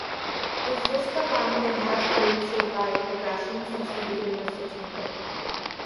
Is this the line they have created by aggression since the beginning of September?